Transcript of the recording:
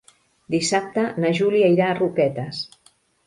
Dissabte na Júlia irà a Roquetes.